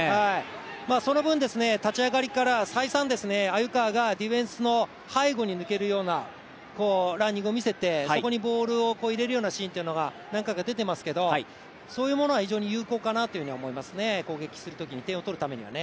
その分、立ち上がりから再三鮎川がディフェンスの背後に抜けるようなランニングを見せてそこにボールを入れるようなシーンが何回か出てますけどそういうものは非常に有効かなと思いますね攻撃するときに点を取るためにはね。